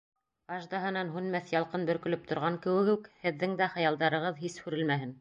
Аждаһанан һүнмәҫ ялҡын бөркөлөп торған кеүек үк, һеҙҙең дә хыялдарығыҙ һис һүрелмәһен.